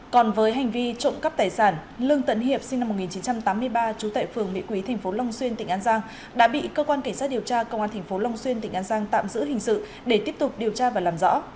còn với hành vi trộm cắp tài sản lương tấn hiệp sinh năm một nghìn chín trăm tám mươi ba trú tại phường mỹ quý tp long xuyên tỉnh an giang đã bị cơ quan cảnh sát điều tra công an tp long xuyên tỉnh an giang tạm giữ hình sự để tiếp tục điều tra và làm rõ